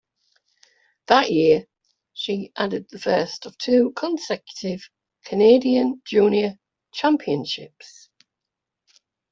That year she added the first of two consecutive Canadian junior championships.